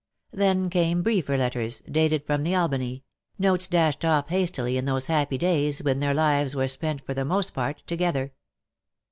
Then came briefer letters, dated from the Albany — notes dashed off hastily in those happy days when their lives were spent for the most part to gether.